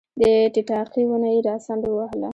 د ټیټاقې ونه یې راڅنډ وهله